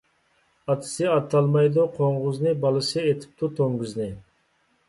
ئاتىسى ئاتالمايدۇ قوڭغۇزنى، بالىسى ئېتىپتۇ توڭگۇزنى.